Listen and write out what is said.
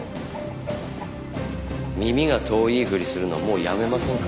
耳が遠いふりするのもうやめませんか？